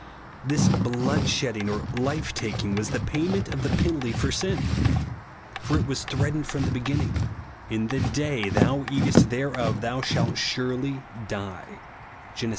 This blood shedding or life taking was the payment of the penalty for sin ; for it was threatened from the begin ning, " In the day thou eatest thereof thou blialt surely ci(ie" (Gen. ii.